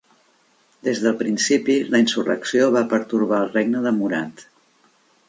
Des del principi, la insurrecció va pertorbar el regne de Murat.